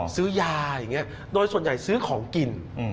ซื้อยาอย่างนี้โดยส่วนใหญ่ซื้อของกิน